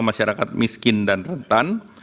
masyarakat miskin dan rentan